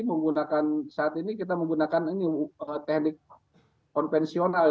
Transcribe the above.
jadi menggunakan saat ini kita menggunakan teknik konvensional